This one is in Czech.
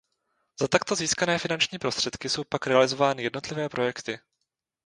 Za takto získané finanční prostředky jsou pak realizovány jednotlivé projekty.